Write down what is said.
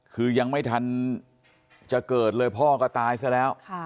คือยังไม่ทันจะเกิดเลยพ่อก็ตายซะแล้ว